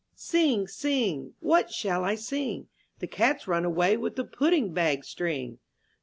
CING, Sing!— What shall I sing? ^ The Cat's run away with the Pudding Bag String.